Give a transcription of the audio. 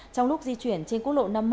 trong lúc di chuyển trên quốc lộ năm mươi một